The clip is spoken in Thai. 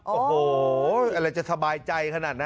โอ้โหอะไรจะสบายใจขนาดนั้น